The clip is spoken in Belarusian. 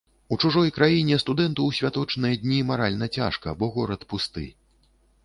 У чужой краіне студэнту ў святочныя дні маральна цяжка, бо горад пусты.